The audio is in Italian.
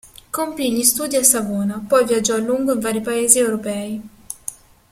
Compì gli studi a Savona, poi viaggiò a lungo in vari paesi europei.